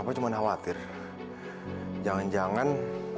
aku cuma khawatir jangan jangan